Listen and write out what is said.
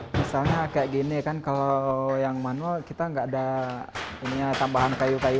misalnya dekat seberang kantor jatah wij puar daily